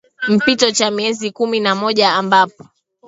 mpito cha miezi kumi na moja ambapo